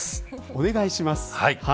お願いします。